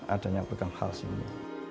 adanya program hal ini